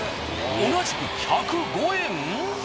同じく１０５円？